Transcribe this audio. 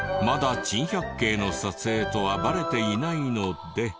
まだ『珍百景』の撮影とはバレていないので。